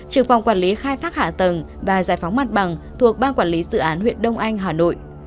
trưởng phòng quản lý khai thác hạ tầng và giải phóng mặt bằng thuộc ban quản lý dự án huyện đông anh hà nội